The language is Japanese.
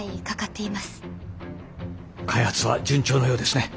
開発は順調のようですね。